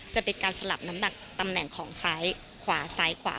จะเป็นการสลับน้ำหนักตำแหน่งของซ้ายขวาซ้ายขวา